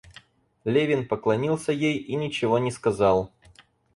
Левин поклонился ей и ничего не сказал.